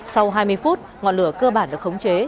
sau hai mươi phút ngọn lửa cơ bản được khống chế